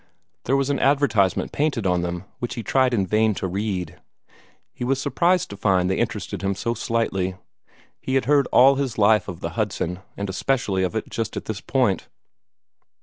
There was an advertisement painted on them which he tried in vain to read. He was surprised to find they interested him so slightly. He had heard all his life of the Hudson, and especially of it just at this point.